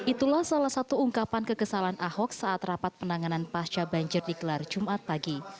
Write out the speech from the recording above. itulah salah satu ungkapan kekesalan ahok saat rapat penanganan pasca banjir di kelar jumat pagi